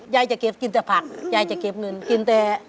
ยายจะเก็บกินแต่ผักยายจะเก็บเงินกินแต่